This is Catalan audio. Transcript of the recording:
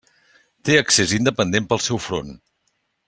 Té accés independent pel seu front.